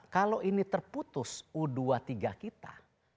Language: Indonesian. kalau ini terputus u dua puluh tiga kita